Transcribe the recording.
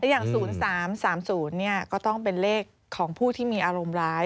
อย่าง๐๓๓๐ก็ต้องเป็นเลขของผู้ที่มีอารมณ์ร้าย